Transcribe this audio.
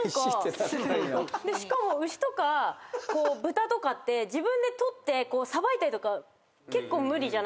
しかも牛とか豚って自分でとってさばいたりとか結構無理じゃないですか。